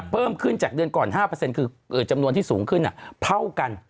เพิ่มขึ้นจากเดือนก่อน๕คือจำนวนที่สูงขึ้นเท่ากัน